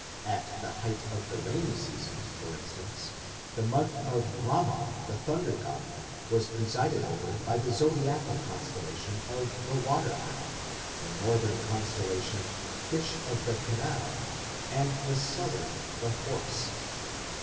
At the height of the rainy season, for instance, the month of Ramman, the thunder god, was presided over by the zodiacal constellation of the water urn, the northern constellation "Fish of the Canal", and the southern "the Horse".